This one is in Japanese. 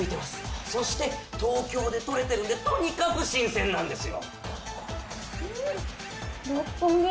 そして東京で採れてるんでとにかく新鮮なんですよ。